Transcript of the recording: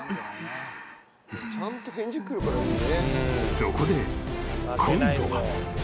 ［そこで今度は］